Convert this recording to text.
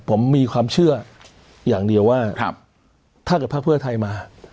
ผมมีความเชื่ออย่างเดียวว่าถ้าเกิดภาคเพื่อไทยมา